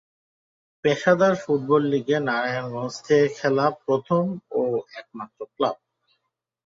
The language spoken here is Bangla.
পেশাদার ফুটবল লীগে নারায়ণগঞ্জ থেকে খেলা প্রথম ও একমাত্র ক্লাব।